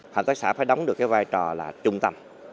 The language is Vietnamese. hợp tác xã phải đóng được cái vai trò là trung tâm